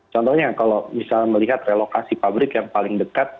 contohnya kalau misalnya melihat relokasi pabrik yang paling dekat